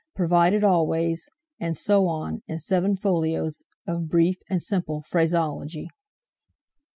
Provided always..." and so on, in seven folios of brief and simple phraseology.